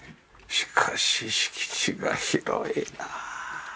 しかし敷地が広いな。